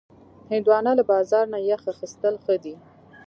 هندوانه له بازار نه یخ اخیستل ښه دي.